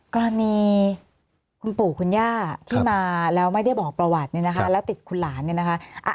กรณีคุณปู่คุณย่าที่มาแล้วไม่ได้บอกประวัติเนี่ยนะคะแล้วติดคุณหลานเนี่ยนะคะ